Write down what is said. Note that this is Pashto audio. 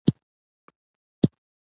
د باد برېښنا ډېره ارزانه ده.